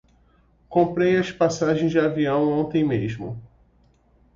Comprei as passagens de avião ontem mesmo.